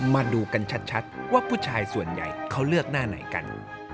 มาดูกันชัดว่าผู้ชายส่วนใหญ่เขาเลือกหน้าไหนกัน